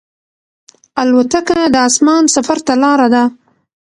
الوتکه د اسمان سفر ته لاره ده.